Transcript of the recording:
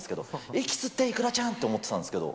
息吸って、ｉｋｕｒａちゃん！って思ってたんですけど。